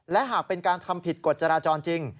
และหากเป็นการทำผิดกฎจราจรจริง